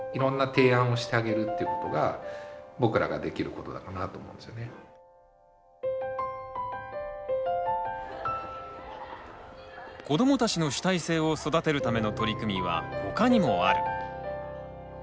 そのかわり子どもたちの主体性を育てるための取り組みは他にもある。